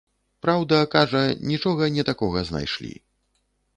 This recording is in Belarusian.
Праўда, кажа нічога не такога знайшлі.